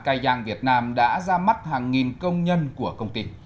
cai giang việt nam đã ra mắt hàng nghìn công nhân của công ty